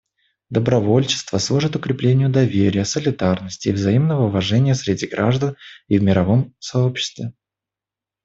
Добровольчество служит укреплению доверия, солидарности и взаимного уважения среди граждан и в мировом сообществе.